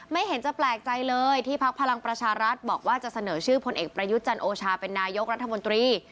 ไม่เห็นจะแปลกใจเลยที่พักพลังประชารัฐบอกว่าจะเสนอชื่อพลเอกประยุทธ์จันโอชาเป็นนายกรัฐมนตรี